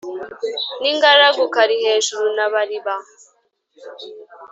N’ingaragu Kalihejuru na Bariba.